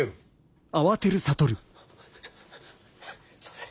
すいません。